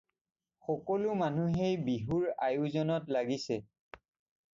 সকলো মানুহেই বিহুৰ আয়োজনত লাগিছে।